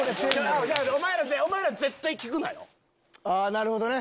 なるほどね。